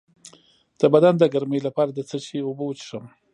د بدن د ګرمۍ لپاره د څه شي اوبه وڅښم؟